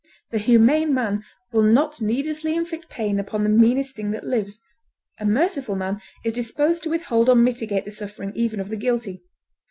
The humane man will not needlessly inflict pain upon the meanest thing that lives; a merciful man is disposed to withhold or mitigate the suffering even of the guilty.